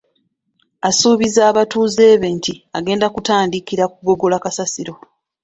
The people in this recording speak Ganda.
Asuubizza abatuuze be nti agenda kutandikira ku kugogola kasasiro.